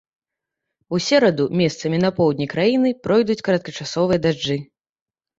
У сераду месцамі на поўдні краіны пройдуць кароткачасовыя дажджы.